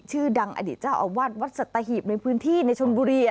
ชื่อดังอดีตเจ้าอาวาสวัดสัตหีบในพื้นที่ในชนบุรี